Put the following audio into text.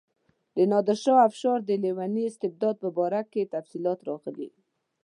د نادرشاه افشار د لیوني استبداد په باره کې تفصیلات راغلي.